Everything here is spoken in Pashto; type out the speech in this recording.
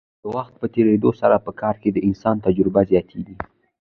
د وخت په تیریدو سره په کار کې د انسان تجربه زیاتیږي.